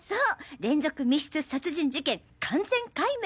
『連続密室殺人事件完全解明！』